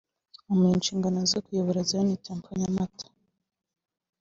amuha inshingano zo kuyobora Zion Temple Nyamata